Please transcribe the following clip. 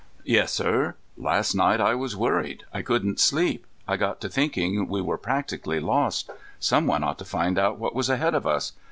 "Yes, sir. Last night I was worried. I couldn't sleep. I got to thinking we were practically lost. Some one ought to find out what was ahead of us.